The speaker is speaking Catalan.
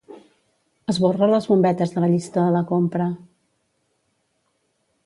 Esborra les bombetes de la llista de la compra.